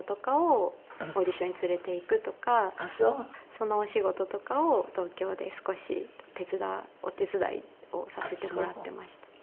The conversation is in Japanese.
そのお仕事とかを東京で少しお手伝いをさせてもらっていました。